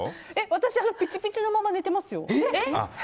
私はピチピチのまま寝てますよ。